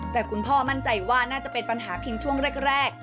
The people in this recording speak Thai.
แต่คุณพ่อมั่นใจว่าน่าจะเป็นปัญหาเพียงช่วงแรก